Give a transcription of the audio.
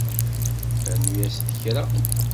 Rnu-as-d kra